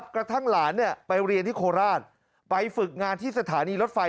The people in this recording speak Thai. กระทั่งหลานไปเรียนที่โคราชไปฝึกงานที่สถานีรถไฟ